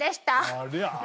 ありゃ！